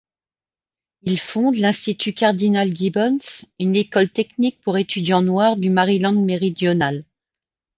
Il fonde l’Institut Cardinal-Gibbons, une école technique pour étudiants noirs du Maryland méridional.